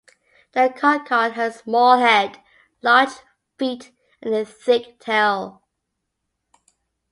The kodkod has a small head, large feet, and a thick tail.